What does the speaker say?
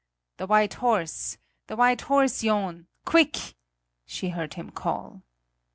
"The white horse! The white horse, John! Quick!" she heard him call.